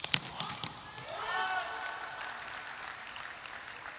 สวัสดีครับ